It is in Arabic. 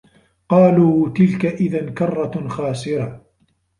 قالوا تِلكَ إِذًا كَرَّةٌ خاسِرَةٌ